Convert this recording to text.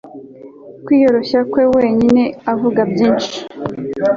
Kwiyoroshya kwe wenyine avuga byinshi